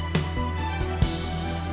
lepas dulu tangan lo